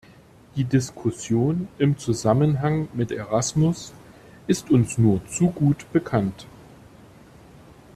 Die Diskussion im Zusammenhang mit Erasmus ist uns nur zu gut bekannt.